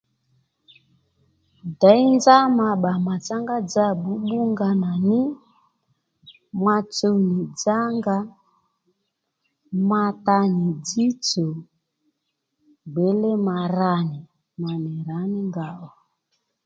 Děy nzá ma bbà ma tsá ngá dza bbùbbú nga nà ní ma tsuw nì dzánga ma ta nì dzźtsò gbělé ma ra nì ma nì ra mí nga ò